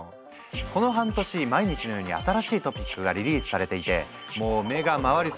この半年毎日のように新しいトピックがリリースされていてもう目が回りそう！